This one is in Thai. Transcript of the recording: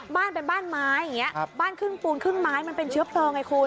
บ้านเป็นบ้านไม้อย่างนี้บ้านครึ่งปูนครึ่งไม้มันเป็นเชื้อเพลิงไงคุณ